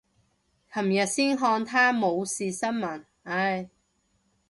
琴日先看他冇事新聞，唉。